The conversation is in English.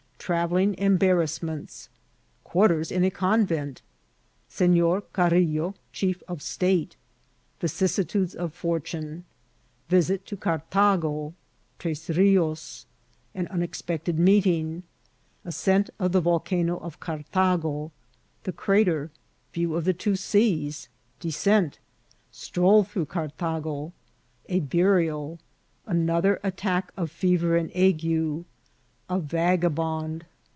— Travelling EmbarraaamenU.— Qaartera in a CooTant— Senor CariUo, Chief of State.— Viciaaitiidea of Fortune.— Visit to Cartago.— Tree Rioa.— An imez pacted Meeting.— Aacent of the Volcanb of Cartaga— The Crater.— View of the two Seaa.— Deacent— StroU through Caitago.— A BnriaL Another at* tack of Fever and Ague.— A Vagabond.